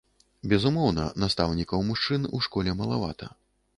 Безумоўна, настаўнікаў-мужчын у школе малавата.